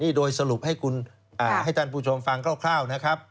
นี่โดยสรุปให้ท่านผู้ชมฟังคร่าวนะครับ